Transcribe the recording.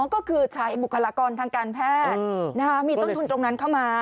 ก็คือใช้บุคลากรทางการแพทย์มีต้นทุนตรงนั้นเข้ามา